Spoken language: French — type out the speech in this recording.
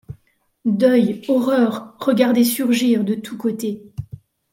Deuil ! horreur ! regarder surgir de tous côtés